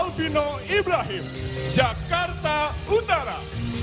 alvino ibrahim jakarta utara